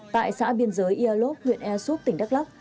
tại xã biên giới ia lốp huyện e súp tỉnh đắk lắk